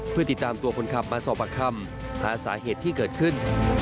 เพื่อติดตามตัวคนขับมาสอบปากคำหาสาเหตุที่เกิดขึ้น